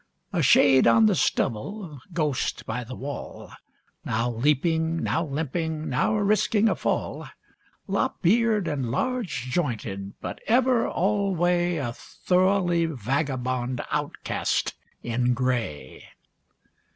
A shade on the stubble, a ghost by the wall, Now leaping, now limping, now risking a fall, Lop eared and large jointed, but ever alway A thoroughly vagabond outcast in gray.